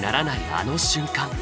あの瞬間。